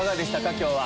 今日は。